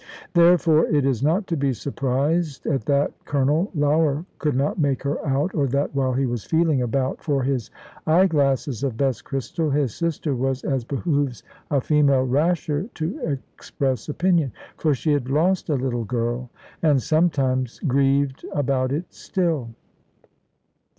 Therefore it is not to be surprised at that Colonel Lougher could not make her out, or that while he was feeling about for his eye glass of best crystal, his sister was (as behoves a female) rasher to express opinion. For she had lost a little girl, and sometimes grieved about it still.